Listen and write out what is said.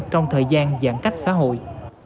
trong thời gian giãn cách xã hội